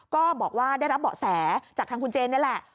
ก็บอกว่าได้รับเบาะแสจากทางคุณเจนนี่แหละ